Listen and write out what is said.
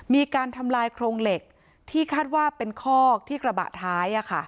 มีการทำลายโครงเหล็กที่คาดว่าเป็นคอกที่กระบะท้าย